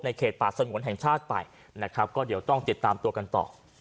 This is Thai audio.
เขตป่าสงวนแห่งชาติไปนะครับก็เดี๋ยวต้องติดตามตัวกันต่อ